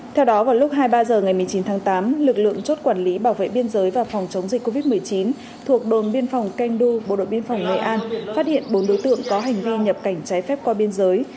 theo đó vào lúc hai mươi ba h ngày một mươi chín tháng tám lực lượng chốt quản lý bảo vệ biên giới và phòng chống dịch covid một mươi chín thuộc đồn biên phòng keng du bộ đội biên phòng nghệ an phát hiện bốn đối tượng có hành vi nhập cảnh trái phép qua biên giới